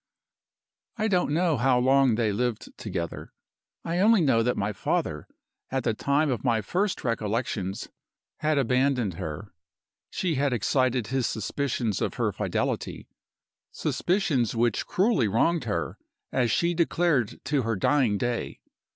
"I don't know how long they lived together. I only know that my father, at the time of my first recollections, had abandoned her. She had excited his suspicions of her fidelity suspicions which cruelly wronged her, as she declared to her dying day.